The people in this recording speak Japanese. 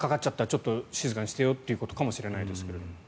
ちょっと静かにしていようということかもしれないですが。